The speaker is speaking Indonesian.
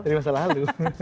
dari masa lalu